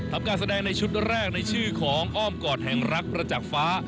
การแสดงในชุดแรกในชื่อของอ้อมกอดแห่งรักประจักษ์ฟ้า